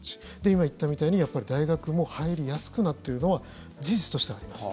今言ったみたいに大学も入りやすくなっているのは事実としてあります。